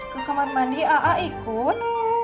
ke kamar mandi aa ikut